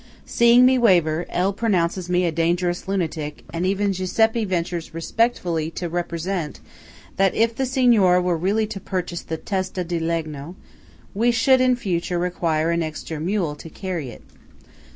Seeing me waver, L. pronounces me a dangerous lunatic, and even Giuseppe ventures respectfully to represent that if the Signora were really to purchase the "testa di legno" we should in future require an extra mule to carry it.